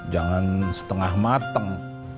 jangan setengah matang